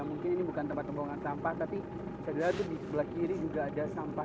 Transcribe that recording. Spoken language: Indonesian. mungkin ini bukan tempat tembongan sampah tapi segera di sebelah kiri juga ada sampah